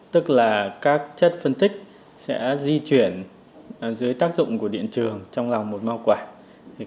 tức là các chất phân tích sẽ di chuyển dưới tác dụng của điện trường trong lòng một mau quản